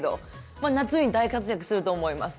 まあ夏に大活躍すると思います。